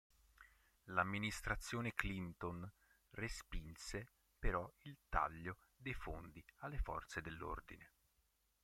L'amministrazione Clinton respinse però il taglio dei fondi alle forze dell'ordine.